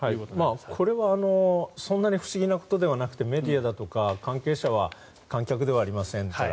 これはそんなに不思議なことではなくてメディアだとか関係者は観客ではありません。